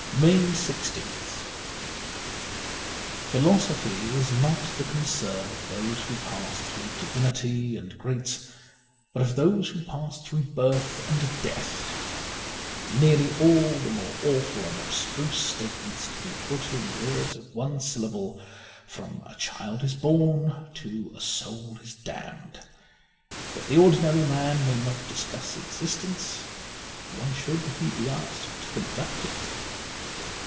'' 148 MAY 1 6th PHILOSOPHY is not the concern of those who pass through Divinity and Greats, but of those who pass through birth and death. Nearly all the more awful and abstruse statements can be put in words of one syllable, from 'A child is born ' to ' A soul is damned.' If the ordinary man may not discuss existence, why should he be asked to conduct it